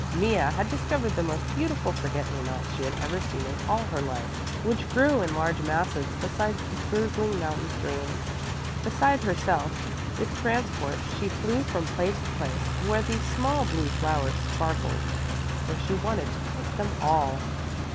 Mea had discovered the most beautiful forget me nots she had ever seen in all her life, which grew in large masses beside the gurgling mountain stream. Beside herself with transport, she flew from place to place where the small blue flowers sparkled, for she wanted to pick them all.